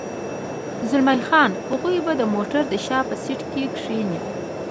زلمی خان: هغوی به د موټر د شا په سېټ کې کېني.